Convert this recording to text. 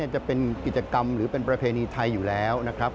จะเป็นกิจกรรมหรือเป็นประเพณีไทยอยู่แล้วนะครับ